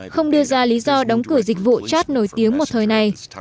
không đưa ra lý do đóng cửa cho yahoo messenger